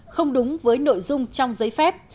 không đúng với nội dung trong giấy phép